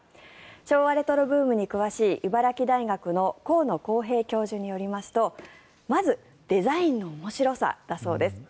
昭和レトロブームに詳しい茨城大学の高野光平教授によりますとまずデザインの面白さだそうです。